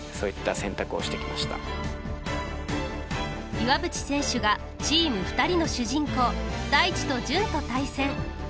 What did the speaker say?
岩渕選手が「チームふたり」の主人公大地と純と対戦。